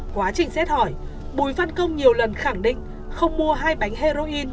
quá trình xét hỏi bùi văn công nhiều lần khẳng định không mua hai bánh heroin